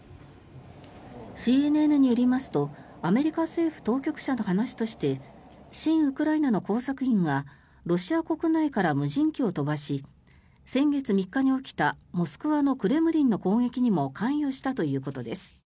ＣＮＮによりますとアメリカ政府当局者の話として親ウクライナの工作員がロシア国内から無人機を飛ばし先月３日に起きたモスクワのクレムリンの攻撃にも関与したということです。